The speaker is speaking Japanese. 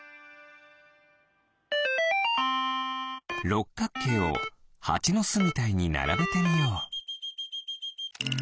ろっかくけいをハチのすみたいにならべてみよう。